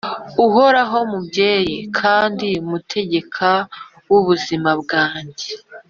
Uhoraho, mubyeyi kandi mutegeka w’ubuzima bwanjye,